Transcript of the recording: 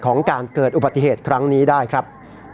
ของการเกิดอุบัติเหตุครั้งนี้ได้ครับ